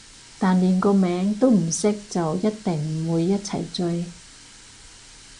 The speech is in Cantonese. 但連個名都唔識就一定唔會一齊追